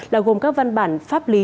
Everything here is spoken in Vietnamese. là gồm các văn bản pháp lý